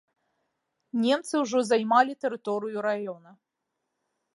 Немцы ўжо займалі тэрыторыю раёна.